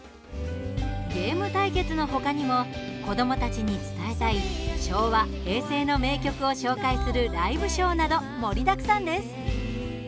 ゲーム対決の他にも子どもたちに伝えたい昭和、平成の名曲を紹介するライブショーなど盛りだくさんです。